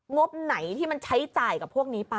งบไหนที่มันใช้จ่ายกับพวกนี้ไป